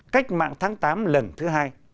cách mạng tháng tám lần thứ hai